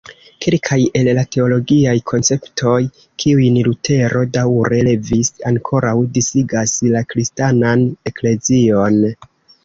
Kelkaj el la teologiaj konceptoj kiujn Lutero daŭre levis ankoraŭ disigas la Kristanan Eklezion.